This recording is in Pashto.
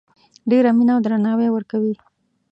ډیره مینه او درناوی ورکوي